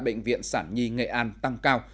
bệnh viện sản nhi nghệ an tăng cao